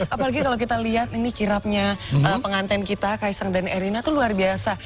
apalagi kalau kita lihat ini kirapnya pengantin kita kaisang dan erina itu luar biasa